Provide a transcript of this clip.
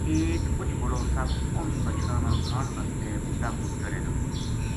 ایک مچ بڑو سپ اُنھ بچڑاں نا کھان بسطے بوٹا پو چڑھے لگو